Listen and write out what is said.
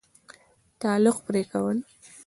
تعلق پرې كول